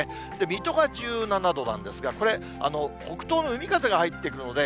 水戸が１７度なんですが、これ、北東の海風が入ってくるので、